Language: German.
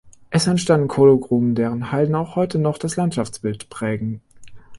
Es entstanden Kohlegruben, deren Halden auch heute noch das Landschaftsbild prägen.